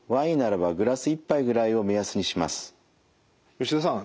吉田さん